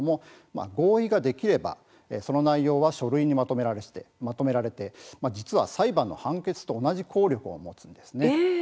合意ができればその内容は書類にまとめられて実は、最後の判決と同じ効力を持ちます。